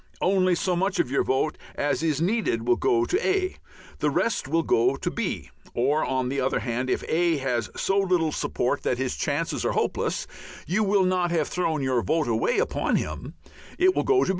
Only so much of your vote as is needed will go to A; the rest will go to B. Or, on the other hand, if A has so little support that his chances are hopeless, you will not have thrown your vote away upon him; it will go to B.